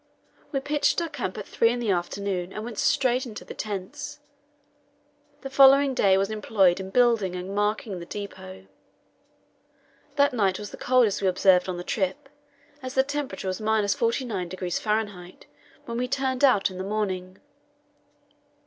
We pitched our camp at three in the afternoon, and went straight into the tents. The following day was employed in building and marking the depot. That night was the coldest we observed on the trip, as the temperature was 49° F. when we turned out in the morning.